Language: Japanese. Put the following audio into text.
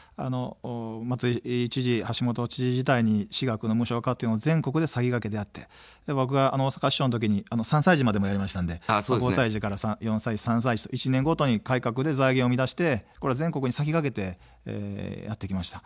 松井知事、橋下知事時代に私学の無償化というのを全国で先駆けてやって僕が大阪市長の時に３歳児までやりましたので、５歳児から４歳児、３歳児と１年ごとに改革で財源を生み出して全国に先駆けてやってきました。